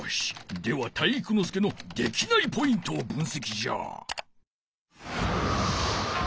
では体育ノ介のできないポイントをぶんせきじゃ！